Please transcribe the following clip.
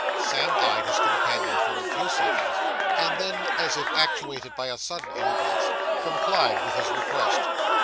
Sam eyed his companion for a few seconds, and then, as if actuated by a sudden impulse, complied with his request.